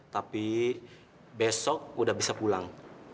tapi besok udah bisa pulang